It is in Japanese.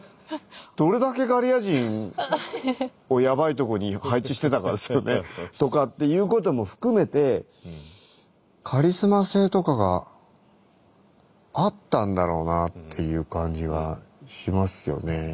どれだけガリア人をやばいとこに配置してたかですよね。とかっていうことも含めてカリスマ性とかがあったんだろうなっていう感じがしますよね。